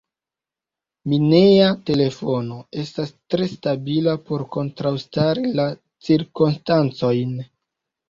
Mineja telefono: estas tre stabila por kontraŭstari la cirkonstancojn.